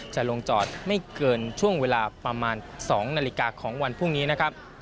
จะลงจอดไม่เกินช่วงเวลาประมาณ๒นาฬิกาของวันพรุ่งนี้นะครับ